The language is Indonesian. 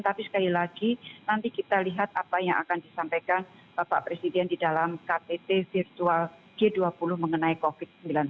tapi sekali lagi nanti kita lihat apa yang akan disampaikan bapak presiden di dalam ktt virtual g dua puluh mengenai covid sembilan belas